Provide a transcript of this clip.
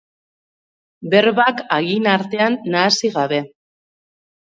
Berbak hagin artean nahasi gabe.